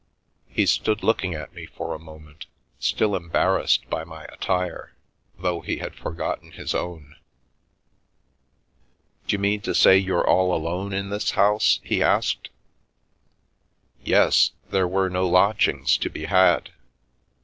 He stood looking at me for a moment, still embarrassed by my attire, though he had forgotten his own. " D'you mean to say you're all alone in this house ?" he asked. " Yes. There were no lodgings to be had.